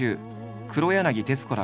黒柳徹子ら